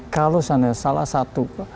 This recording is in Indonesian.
kalau salah satu